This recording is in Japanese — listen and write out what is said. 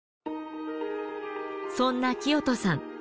そんな聖人さん